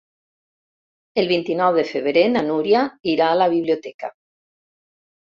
El vint-i-nou de febrer na Núria irà a la biblioteca.